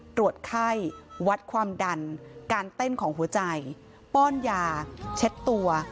ตรวจไข้วัดความดันการเต้นของหัวใจป้อนยาเช็ดตัว